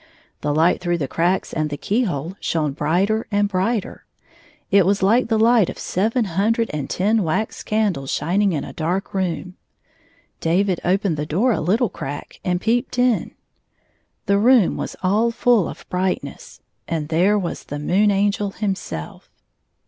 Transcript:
The light through the cracks and the key hole shone brighter and brighter ; it was like the light of seven hundred and ten wax candles shhimg in a dark room. David opened the door a little crack and peeped in. The room was all ftiU of brightness, and there was the Moon Angel himself.